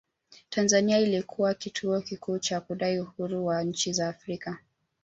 Tanzania ilikuwa kituo kikuu cha kudai uhuru wa nchi za Afrika